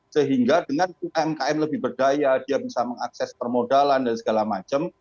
sehingga dengan umkm lebih berdaya dia bisa mengakses permodalan dan segala macam